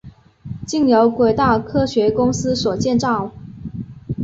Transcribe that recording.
经由轨道科学公司所建造。